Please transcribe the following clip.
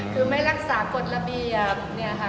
คือไม่รักษากฎระเบียบเนี่ยค่ะ